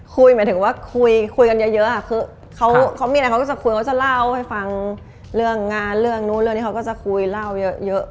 หมายถึงว่าคุยคุยกันเยอะคือเขามีอะไรเขาก็จะคุยเขาจะเล่าให้ฟังเรื่องงานเรื่องนู้นเรื่องนี้เขาก็จะคุยเล่าเยอะ